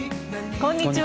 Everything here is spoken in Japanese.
こんにちは。